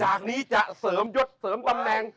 จากนี้จะเสริมยศเสริมตำแหน่ง